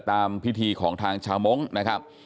ตามพิธีของทางชาวมงค์นะครับ